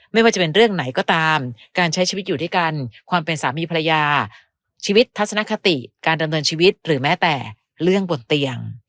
ไม่ว่าจะเป็นเรื่องไหนก็ตามการใช้ชีวิตอยู่ด้วยกันความเป็นสามีภรรยาชีวิตทัศนคติการดำเนินชีวิตหรือแม้แต่เรื่องบนเตียง